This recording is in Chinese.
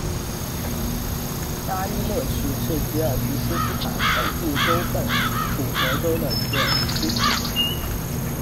加依勒区是吉尔吉斯斯坦北部州份楚河州的一个区。